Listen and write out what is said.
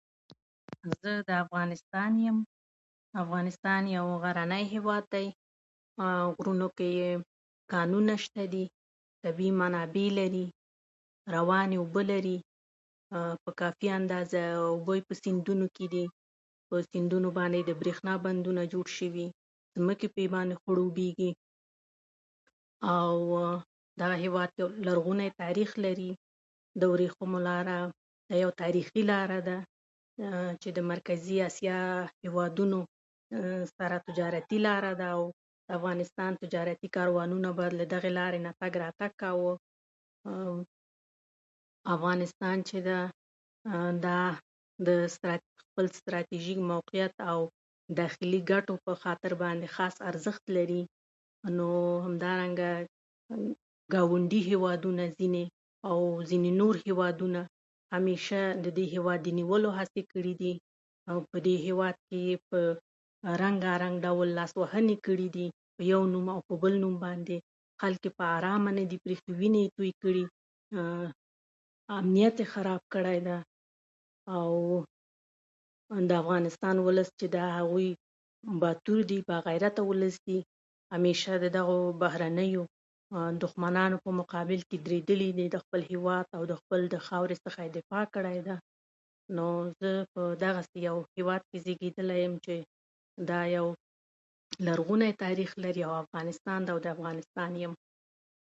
زه د افغانستان يم .او افغانستان يو غرنۍ هيواد دي. او غرونوکې يې کانونه شته دي. او طبيعي منابع لري، روانې اوبه لري، په کافي اندازه يې اوبه په سيندونو کې دي، په سيندونو باندې يې برېښنا بندونه جوړ شوي، ځمکې يې په باندې خړوبېږي، او دغه هېواد لرغونی تاريخ لري. د ورېښمو لار يوه تاريخي لاره ده چې د مرکزي اسيا هېوادونو سره تجارتي لاره ده، او افغانستان ته تجارتي کاروانونو له دغې لارې تګ راتګ کاوه. او افغانستان چې دی، د خپل ستراتيژيک موقعيت او داخلي ګټو په خاطر خاص ارزښت لري، نو همدارنګه ګاونډي هېوادونو، ځيني او ځيني نورو هيوادونه هميشه د دې هېواد د نيولو هڅې کړې دي، او په دې هېواد کې يې رنګا رنګ لاسوهنې کړې دي. يو نوم په بل نوم، خلک يې په ارامه نه دي پرېښي، وينې يې تويې کړې، امنيت يې خراب کړی ده . د افغانستان ولس چې دی، هغوی باتور دي، باغيرته ولس دی، همېشه د دغو بهرنيو دښمنانو په مقابل کې درېدلي دي، د خپل هېواد او د خپل خاورې څخه يې دفاع کړې ده . نو زه په دغسې يو هېواد کې زېږېدلی يم دا يو لرغونی تاريخ لري، .او افغانستان او د افغانستان يم